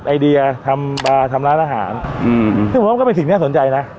ไอเดียทำบาร์ทำร้านอาหารอืมซึ่งผมว่าก็เป็นสิ่งน่าสนใจนะ